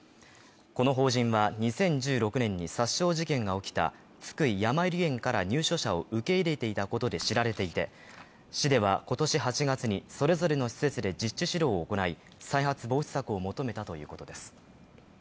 この法人は２０１６年に殺傷事件が起きた津久井やまゆり園から入所者を受け入れていたことで知られていて、市では今年８月に、それぞれの施設で実地指導を行い、再発防止策を求めたということです。